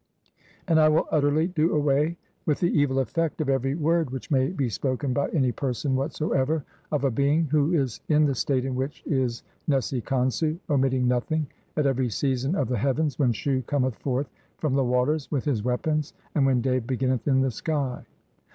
"And I will utterly do away with the evil effect of "every word which may be spoken by any person "whatsoever of a being who is in the state in which "is Nesi Khonsu, omitting nothing, at every season of "the heavens when Shu cometh forth from the waters "with his weapons and when day beginneth in the sky."